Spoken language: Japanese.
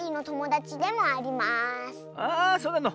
ああそうなの。